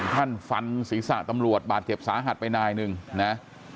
ท่านฟันศีรษะตำรวจบาดเจ็บสาหัสไปนายหนึ่งนะ